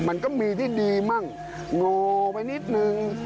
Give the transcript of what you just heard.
มันก็มีที่ดีมั่งโงไปนิดนึง